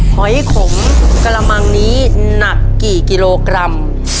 หอยขมกระมังนี้หนักกี่กิโลกรัม